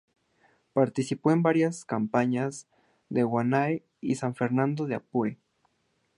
Participó en varias campañas en Guanare y en San Fernando de Apure.